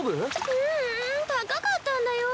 ううん高かったんだよ。